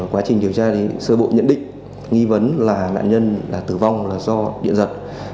quá trình điều tra thì sơ bộ nhận định nghi vấn là nạn nhân đã tử vong là do điện giật